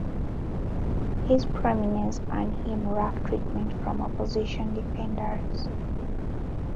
His prominence earned him rough treatment from opposition defenders.